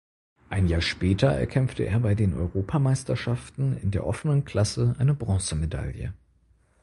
Ein Jahr später erkämpfte er bei den Europameisterschaften in der offenen Klasse eine Bronzemedaille.